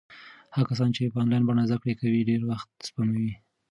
هغه کسان چې په انلاین بڼه زده کړې کوي ډېر وخت سپموي.